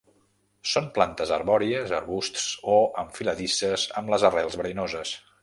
Són plantes arbòries, arbusts o enfiladisses amb les rels verinoses.